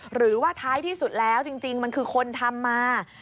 หรือว่าท้ายที่สุดแล้วจริงมันคือคนทำมา